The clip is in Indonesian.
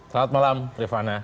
selamat malam rifana